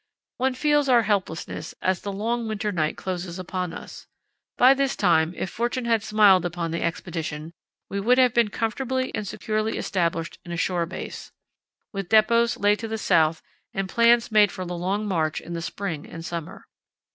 "One feels our helplessness as the long winter night closes upon us. By this time, if fortune had smiled upon the Expedition, we would have been comfortably and securely established in a shore base, with depots laid to the south and plans made for the long march in the spring and summer.